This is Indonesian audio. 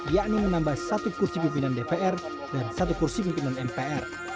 yakni menambah satu kursi pimpinan dpr dan satu kursi pimpinan mpr